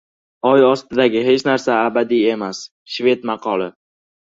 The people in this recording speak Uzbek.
Oy ostidagi hech narsa abadiy emas. Shved maqoli